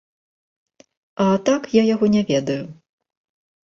А так я яго не ведаю.